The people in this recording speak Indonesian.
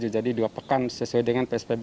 jadi dua pekan sesuai dengan psbb